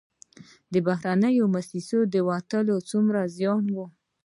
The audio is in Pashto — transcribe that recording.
د بهرنیو موسسو وتل څومره زیان و؟